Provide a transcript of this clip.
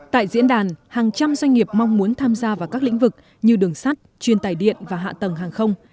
tại diễn đàn hàng trăm doanh nghiệp mong muốn tham gia vào các lĩnh vực như đường sắt chuyên tài điện và hạ tầng hàng không